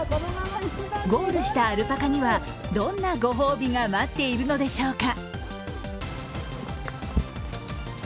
ゴールしたアルパカには、どんなご褒美が待っているのでしょうか。